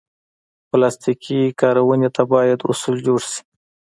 پلاستيکي کارونې ته باید اصول جوړ شي.